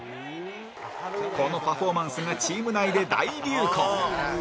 このパフォーマンスがチーム内で大流行